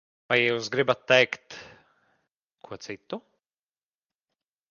Vai jūs gribat teikt ko citu?